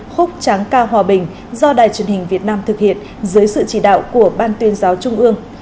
khúc tráng cao hòa bình do đài truyền hình việt nam thực hiện dưới sự chỉ đạo của ban tuyên giáo trung ương